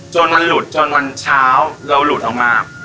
จนมันหลุดจนวันเช้าเราหลุดออกมา